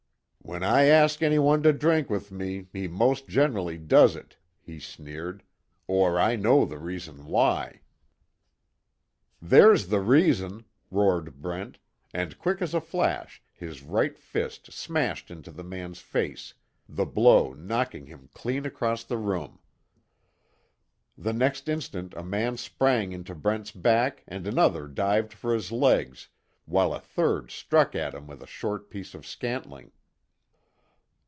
"When I ask anyone to drink with me, he most generally does it," he sneered, "Or I know the reason why." "There's the reason!" roared Brent, and quick as a flash his right fist smashed into the man's face, the blow knocking him clean across the room. The next instant a man sprang onto Brent's back and another dived for his legs, while a third struck at him with a short piece of scantling.